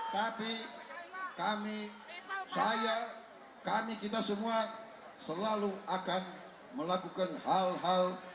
tapi kami saya kami kita semua selalu akan melakukan hal hal